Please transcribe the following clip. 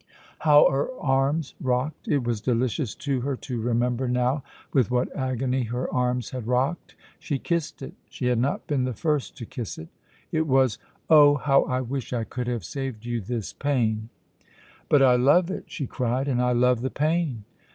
How her arms rocked! It was delicious to her to remember now with what agony her arms had rocked. She kissed it; she had not been the first to kiss it. It was "Oh, how I wish I could have saved you this pain!" "But I love it," she cried, "and I love the pain."